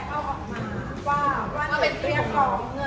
ก็คือ๒ล้าน๒ค่ะ